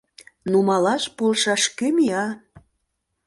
Нумалаш полшаш кӧ мия?